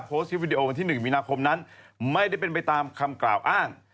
โพสต์คลิปวิดีโอวันที่๑มีนาคมนั้นไม่ได้เป็นไปตามคำกล่าวอ้าง